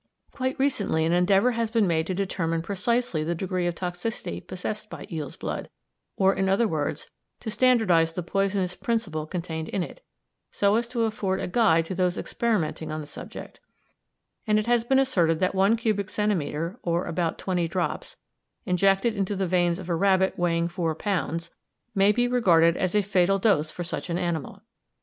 Quite recently an endeavour has been made to determine precisely the degree of toxicity possessed by eel's blood, or, in other words, to standardise the poisonous principle contained in it, so as to afford a guide to those experimenting on the subject; and it has been asserted that one cubic centimetre, or about twenty drops, injected into the veins of a rabbit weighing four pounds, may be regarded as a fatal dose for such an animal.